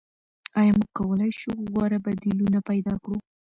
آیا موږ کولای شو غوره بدیلونه پیدا کړو؟